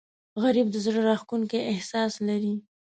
غریب د زړه راښکونکی احساس لري